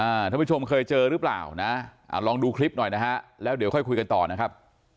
ท่านผู้ชมเคยเจอหรือเปล่านะอ่าลองดูคลิปหน่อยนะฮะแล้วเดี๋ยวค่อยคุยกันต่อนะครับ